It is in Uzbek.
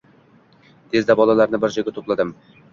Tezda bolalarni bir joyga to‘pladim.